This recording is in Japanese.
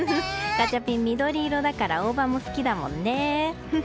ガチャピン、緑色だから大葉も好きだもんね。